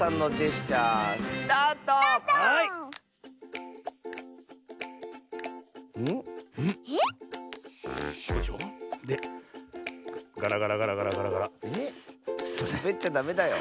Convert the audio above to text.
しゃべっちゃダメだよ。